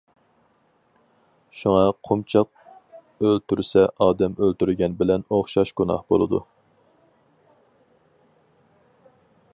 شۇڭا قۇمچاق ئۆلتۈرسە ئادەم ئۆلتۈرگەن بىلەن ئوخشاش گۇناھ بولىدۇ.